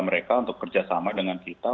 mereka untuk kerjasama dengan kita